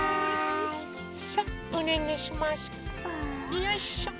よいしょ。